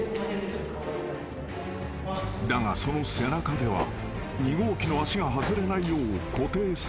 ［だがその背中では弐号機の足が外れないよう固定されてしまう］